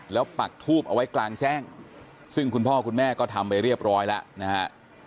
แล้วปักทูบเอาไว้กลางแจ้งซึ่งคุณพ่อคุณแม่ก็ทำไปเรียบร้อยแล้วนะฮะ